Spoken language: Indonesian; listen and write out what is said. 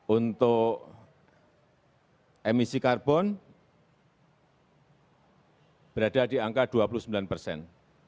untuk emisi karbon berada di angka dua puluh sembilan persen